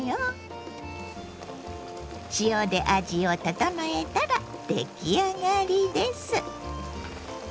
塩で味を調えたら出来上がりです。